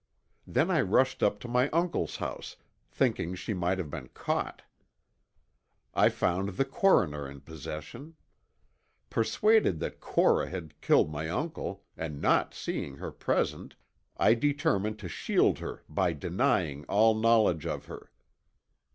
Then I rushed up to my uncle's house, thinking she might have been caught. I found the coroner in possession. Persuaded that Cora had killed my uncle and not seeing her present, I determined to shield her by denying all knowledge of her.